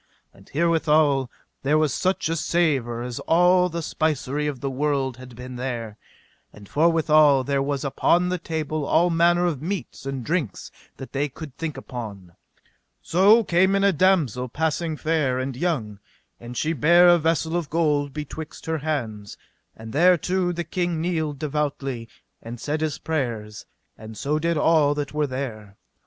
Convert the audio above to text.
And herewithal there was such a savour as all the spicery of the world had been there. And forthwithal there was upon the table all manner of meats and drinks that they could think upon. So came in a damosel passing fair and young, and she bare a vessel of gold betwixt her hands; and thereto the king kneeled devoutly, and said his prayers, and so did all that were there.